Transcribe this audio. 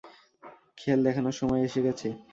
খেল দেখানোর সময় এসে গেছে!